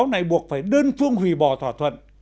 tờ báo này buộc phải đơn phương hủy bỏ thỏa thuận